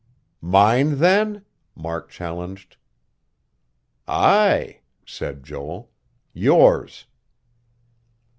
"Mine, then?" Mark challenged. "Aye," said Joel. "Yours."